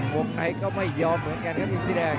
วงในก็ไม่ยอมเหมือนกันครับอินสีแดง